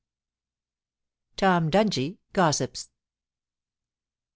TOM DUNGIE GOSSIPS.